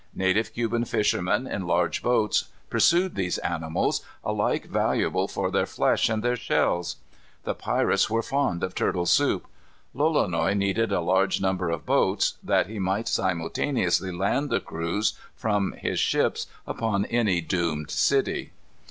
Native Cuban fishermen, in large boats, pursued these animals, alike valuable for their flesh and their shells. The pirates were fond of turtle soup. Lolonois needed a large number of boats, that he might simultaneously land the crews, from his ships, upon any doomed city.